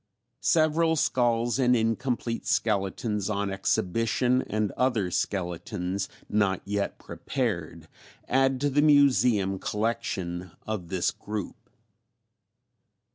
Several skulls and incomplete skeletons on exhibition and other skeletons not yet prepared add to the Museum collection of this group.